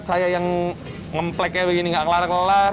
saya yang mempleknya begini nggak ngelar ngelar